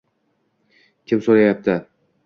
Kim so’rayapti?